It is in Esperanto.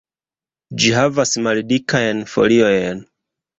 Ĝi havas maldikajn foliojn.